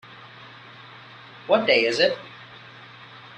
What day is it?